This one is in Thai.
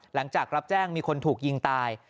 หลังจากรับแจ้งมีคนถูกยิงตาย